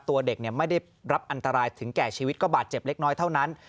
ตัวเด็กไม่ได้รับอันตรายถึงแก่ชีวิตก็บาดเจ็บเล็กน้อยเท่านั้น